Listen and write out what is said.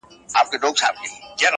د دغه ښار ښکلي غزلي خیالوري غواړي.